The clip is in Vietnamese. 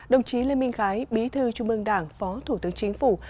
đồng chí lê minh khái bí thư chung mương đảng phó thủ tướng chính phủ